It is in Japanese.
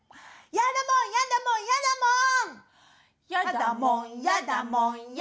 やだもんやだもんやだもん。